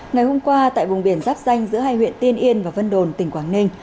ngày hôm qua tại vùng biển giáp danh giữa hai huyện tiên yên và vân đồn tỉnh quảng ninh